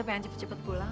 pengen cepet cepet pulang